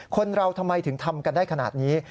คนเราทำไมถึงทำกันได้ขนาดนี้